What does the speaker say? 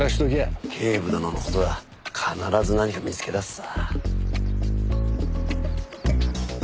警部殿の事だ必ず何か見つけ出すさ。